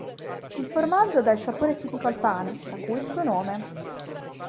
Il formaggio dà il sapore tipico al pane, da cui il suo nome.